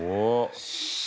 よし。